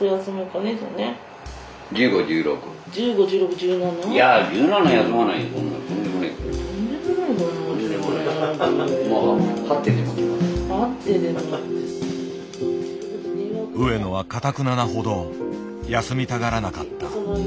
上野はかたくななほど休みたがらなかった。